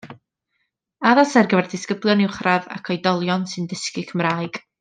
Addas ar gyfer disgyblion uwchradd ac oedolion sy'n dysgu Cymraeg.